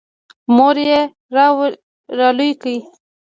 • مور یې را لوی کړ.